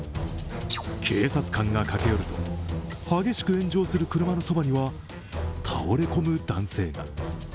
警察官が駆け寄ると、激しく炎上する車のそばには倒れ込む男性が。